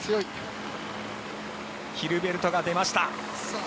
ヒルベルトが出ました。